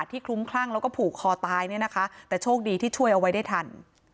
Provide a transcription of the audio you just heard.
คลุ้มคลั่งแล้วก็ผูกคอตายเนี่ยนะคะแต่โชคดีที่ช่วยเอาไว้ได้ทัน